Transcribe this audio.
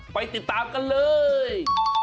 ไปติดตามกันเลย